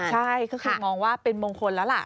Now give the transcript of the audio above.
ใช่ก็คือมองว่าเป็นมงคลแล้วล่ะ